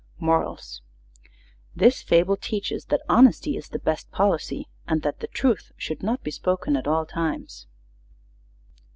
MORALS: This Fable teaches that Honesty is the Best Policy, and that the Truth should not Be spoken at All Times.